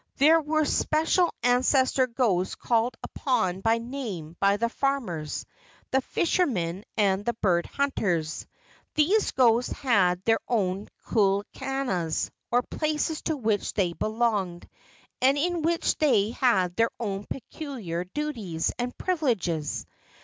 There were special ancestor ghosts called upon by name by the farmers, the fishermen, and the bird hunters. These ghosts had their own kuleanas, or places to which they belonged, and in which they had their own peculiar duties and privileges.